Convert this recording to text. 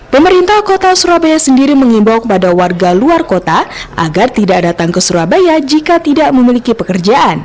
pemerintah kota surabaya sendiri mengimbau kepada warga luar kota agar tidak datang ke surabaya jika tidak memiliki pekerjaan